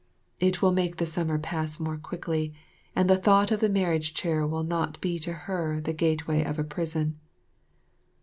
It will make the summer pass more quickly, and the thought of the marriage chair will not be to her the gateway of a prison.